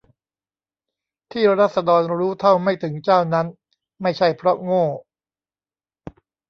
ที่ราษฎรรู้เท่าไม่ถึงเจ้านั้น ไม่ใช่เพราะโง่